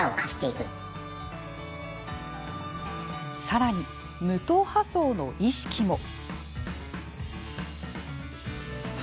さらに、無党派層の意識も。